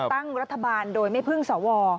ตั้งรัฐบาลโดยไม่พึ่งสว